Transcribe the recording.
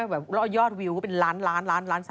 เบื่อยอดวิ้วก็เป็นล้านล้าน